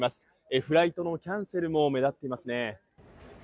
フライトのキャンセルも目立っていますね。